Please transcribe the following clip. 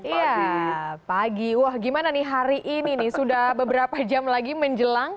iya pagi wah gimana nih hari ini nih sudah beberapa jam lagi menjelang